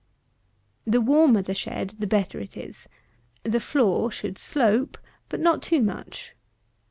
The warmer the shed is the better it is. The floor should slope, but not too much.